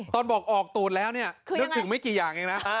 ตอนบอกออกตูดแล้วเนี่ยนึกถึงไม่กี่อย่างเองนะ